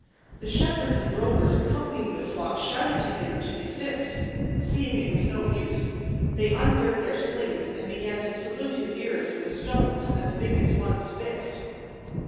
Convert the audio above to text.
The shepherds and drovers accompanying the flock shouted to him to desist; seeing it was no use, they ungirt their slings and began to salute his ears with stones as big as one's fist.